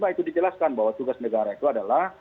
itu dijelaskan bahwa tugas negara itu adalah